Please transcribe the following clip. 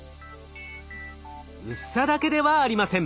薄さだけではありません。